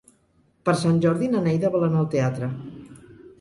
Per Sant Jordi na Neida vol anar al teatre.